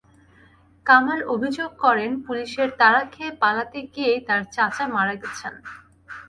কামাল অভিযোগ করেন, পুলিশের তাড়া খেয়ে পালাতে গিয়েই তাঁর চাচা মারা গেছেন।